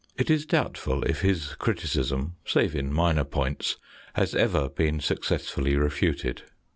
It is doubtful if his criticism, save in minor points, has ever been successfully refuted.